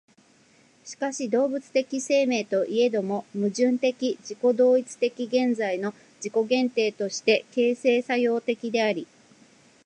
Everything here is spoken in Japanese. しかし動物的生命といえども、矛盾的自己同一的現在の自己限定として形成作用的であり、